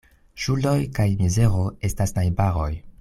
Ŝuldoj kaj mizero estas najbaroj.